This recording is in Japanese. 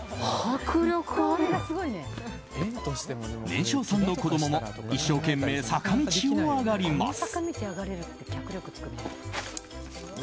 年少さんの子供も一生懸命、坂道を上がります。